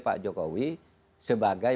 pak jokowi sebagai